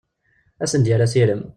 Ad asen-d-yerr asirem.